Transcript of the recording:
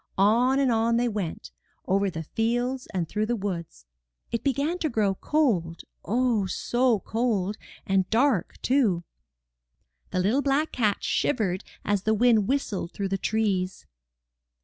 On and on they went, over the fields and through the woods. It began to grow cold, oh, so cold, and dark, too. The little black cat shivered as the wind whistled through the trees.